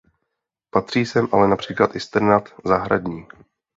Patří sem ale například i strnad zahradní.